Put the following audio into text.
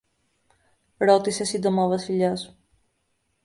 ρώτησε σύντομα ο Βασιλιάς.